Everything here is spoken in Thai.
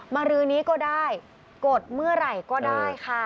รือนี้ก็ได้กดเมื่อไหร่ก็ได้ค่ะ